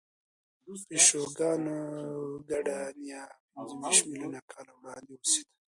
د پیشوګانو ګډه نیا پنځهویشت میلیونه کاله وړاندې اوسېده.